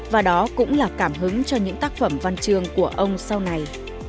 và đó cũng là cảm hứng cho những tác phẩm văn trường của ông sau này